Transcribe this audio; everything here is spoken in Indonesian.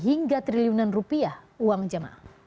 hingga triliunan rupiah uang jemaah